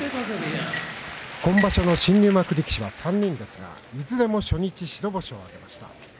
今場所の新入幕力士は３人ですが、いずれも白星を挙げています。